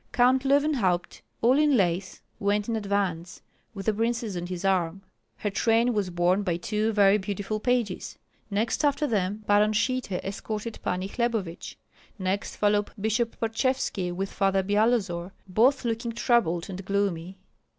Count Löwenhaupt, all in lace, went in advance, with the princess on his arm; her train was borne by two very beautiful pages. Next after them Baron Schitte escorted Pani Hlebovich; next followed Bishop Parchevski with Father Byalozor, both looking troubled and gloomy.